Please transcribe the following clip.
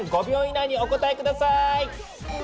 ５秒以内にお答え下さい！